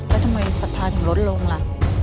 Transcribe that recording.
แล้วทำไมศรัทธาถึงลดลงล่ะ